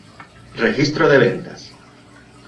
Registro de ventas